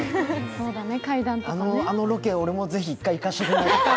あのロケ、俺も一回行かしてくれない？